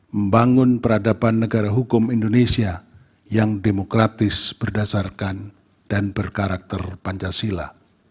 membangun peradaban negara hukum indonesia yang demokratis berdasarkan dan berkarakter pancasila